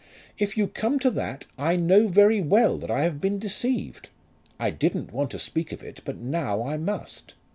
"If you come to that, I know very well that I have been deceived. I didn't want to speak of it, but now I must.